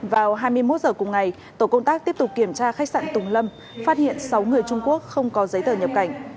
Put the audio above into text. vào hai mươi một h cùng ngày tổ công tác tiếp tục kiểm tra khách sạn tùng lâm phát hiện sáu người trung quốc không có giấy tờ nhập cảnh